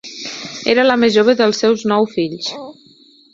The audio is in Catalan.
Era la més jove dels seus nou fills.